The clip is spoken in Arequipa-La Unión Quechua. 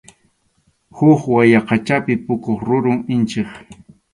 Huk wayaqachapi puquq rurum inchik.